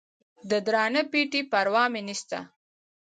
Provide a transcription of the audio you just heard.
د درانه پېټي پروا مې نسته.